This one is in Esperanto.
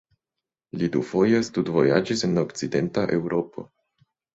Li dufoje studvojaĝis en okcidenta Eŭropo.